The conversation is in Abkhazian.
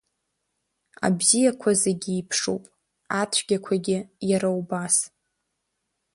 Абзиақәа зегь еиԥшуп, ацәгьақәагьы иара убас.